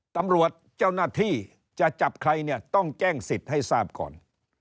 ตำรวจเจ้าหน้าที่จะจับใครเนี่ยต้องแจ้งสิทธิ์ให้ทราบก่อน